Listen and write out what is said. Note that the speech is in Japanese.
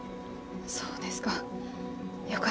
そうですか。